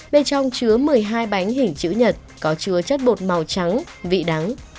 bên trong chứa một mươi hai bánh hình chữ nhật có chứa chất bột màu trắng vị đắng